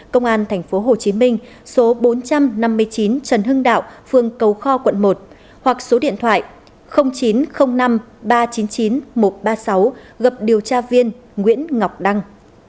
công an tp hcm số bốn trăm năm mươi chín trần hưng đạo phường cầu kho quận một hoặc số điện thoại chín trăm linh năm ba trăm chín mươi chín một trăm ba mươi sáu gặp điều tra viên nguyễn ngọc đăng